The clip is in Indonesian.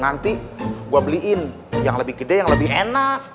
nanti gue beliin yang lebih gede yang lebih enak